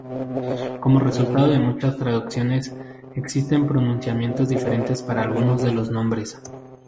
Como resultado de muchas traducciones, existen pronunciaciones diferentes para algunos de los nombres.